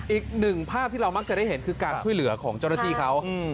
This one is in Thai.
อีกหนึ่งภาพที่เรามักจะได้เห็นคือการช่วยเหลือของเจ้าหน้าที่เขา